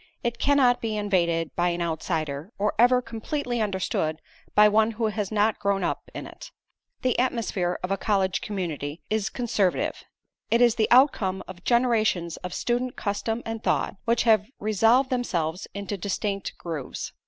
It cannot be invaded by an outsider, or ever completely understood by one who has not grown up in it. The atmosphere of a college community is conservative. It is the outcome of generations of student custom and thought, which have resolved themselves into distinct grooves.